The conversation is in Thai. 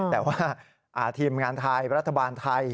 แต่ว่าทีมงานไทยรัฐบาลไทย